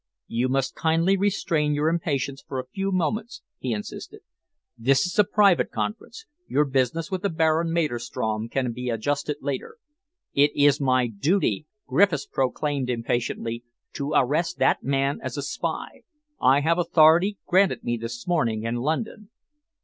"You must kindly restrain your impatience for a few moments," he insisted. "This is a private conference. Your business with the Baron Maderstrom can be adjusted later." "It is my duty," Griffiths proclaimed impatiently, "to arrest that man as a spy. I have authority, granted me this morning in London."